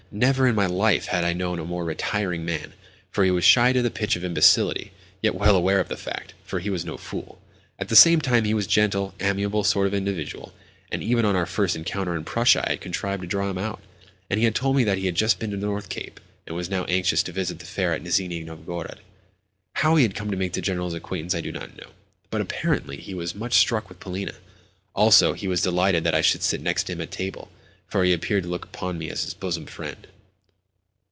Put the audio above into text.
Never in my life had I known a more retiring man, for he was shy to the pitch of imbecility, yet well aware of the fact (for he was no fool). At the same time, he was a gentle, amiable sort of an individual, and, even on our first encounter in Prussia I had contrived to draw him out, and he had told me that he had just been to the North Cape, and was now anxious to visit the fair at Nizhni Novgorod. How he had come to make the General's acquaintance I do not know, but, apparently, he was much struck with Polina. Also, he was delighted that I should sit next him at table, for he appeared to look upon me as his bosom friend.